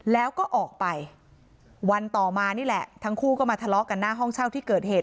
แล้วก็ออกไปวันต่อมานี่แหละทั้งคู่ก็มาทะเลาะกันหน้าห้องเช่าที่เกิดเหตุ